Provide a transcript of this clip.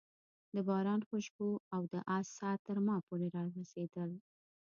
د باران خوشبو او د آس ساه تر ما پورې رارسېدل.